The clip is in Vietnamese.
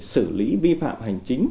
sử lý vi phạm hành chính